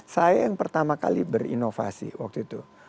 saya yang pertama kali berinovasi waktu itu